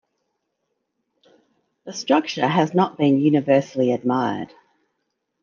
The structure has not been universally admired.